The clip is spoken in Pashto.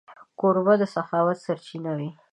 کوربه د سخاوت سرچینه وي.